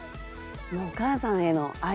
もうお母さんへの愛